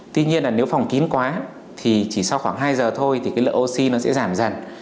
tuy nhiên nếu phòng kín quá chỉ sau khoảng hai giờ thôi thì lợi oxy sẽ giảm dần